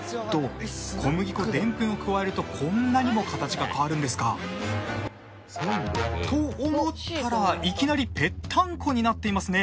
小麦粉デンプンを加えるとこんなにも形が変わるんですか。と思ったらいきなりぺったんこになっていますね。